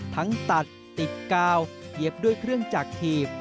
ตัดติดกาวเหยียบด้วยเครื่องจักรถีบ